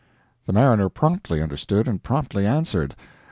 The mariner promptly understood and promptly answered.